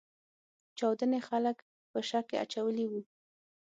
چاودنې خلګ په شک کې اچولي وو.